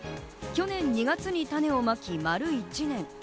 去年２月に種をまき丸一年。